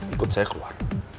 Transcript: ikut saya keluar